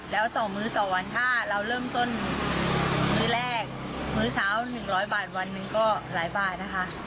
แล้วต่อมื้อต่อวันถ้าเราเริ่มต้นมื้อแรกมื้อเช้า๑๐๐บาทวันหนึ่งก็หลายบาทนะคะ